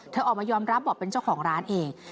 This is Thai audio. ออกมายอมรับบอกเป็นเจ้าของร้านเอง